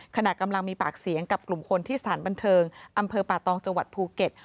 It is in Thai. ขณะกำลังมีปากเสียงกับกลุ่มคนที่สถานบันเทิงอำเภอป่าตองจังหวัดภูเก็ต